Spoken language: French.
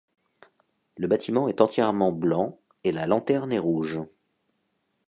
Le bâtiment est entièrement blanc et la lanterne est rouge.